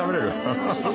ハハハッ。